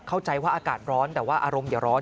เข้าใจว่าอากาศร้อนแต่ว่าอารมณ์อย่าร้อน